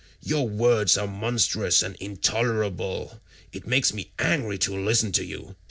Your words are monstrous and intolerable; it makes me angry to listen to you.